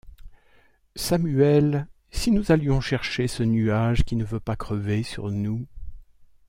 Samuel, si nous allions chercher ce nuage qui ne veut pas crever sur nous ?